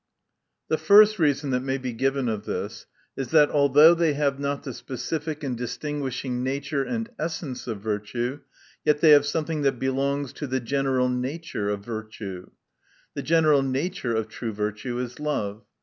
Thk first reason that, may be given of this, is, that although they have not the specific and distinguishing nature and essence of virtue, yet they have some thing that belongs to the general nature of virtue. — The general nature of true virtue is love.